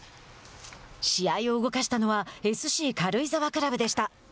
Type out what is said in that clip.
試合を動かしたのはＳＣ軽井沢クラブでした。